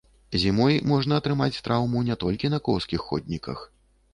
Зімой можна атрымаць траўму не толькі на коўзкіх ходніках.